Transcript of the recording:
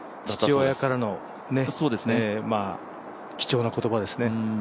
父親からの貴重な言葉ですね。